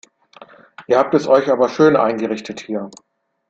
Ihr habt es euch aber schön eingerichtet hier!